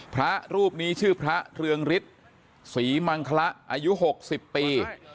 พระรูปนี้ชื่อพระเรืองฤทธิ์ศรีมังคละอายุ๖๐ปี